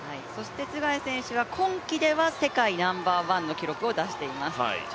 ツェガイ選手は今季では世界ナンバーワンの記録を出しています。